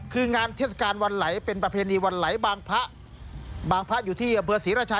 คืองานเทศกาลวันไหลเป็นประเพณีวันไหลบางพระบางพระอยู่ที่อำเภอศรีราชา